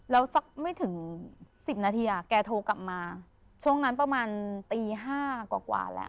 แล้วสักไม่ถึง๑๐นาทีแกโทรกลับมาช่วงนั้นประมาณตี๕กว่าแล้ว